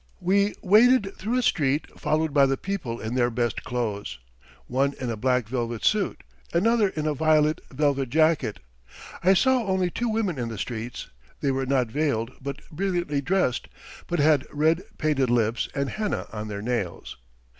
We waded through a street, followed by the people in their best clothes one in a black velvet suit, another in a violet velvet jacket. I saw only two women in the streets; they were not veiled nor brilliantly dressed, but had red painted lips and henna on their nails.